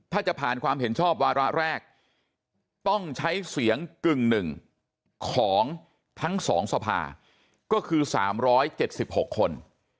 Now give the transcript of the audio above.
ถ้าจะผ่านความเห็นชอบวาระแรกต้องใช้เสียงกึ่งหนึ่งของทั้ง๒สภาก็คือ๓๗๖คน